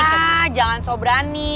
hah jangan sobrani